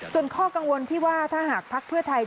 ส่วนข้อกังวลที่ว่าถ้าหากภักดิ์เพื่อไทย